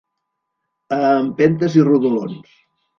A empentes i rodolons.